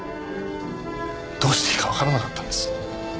どうしていいかわからなかったんです。